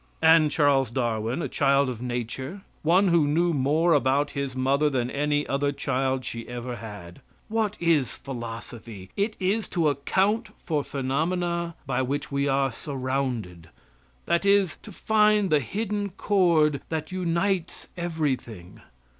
And Charles Darwin a child of nature one who knew more about his mother than any other child she ever had. What is philosophy? It is to account for phenomena by which we are surrounded that is, to find the hidden cord that unites everything.